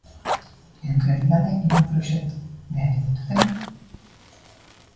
En realidade é un proxecto de hai moito tempo.